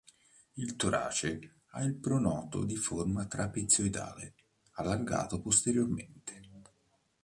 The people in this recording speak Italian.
Il torace ha il pronoto di forma trapezoidale, allargato posteriormente.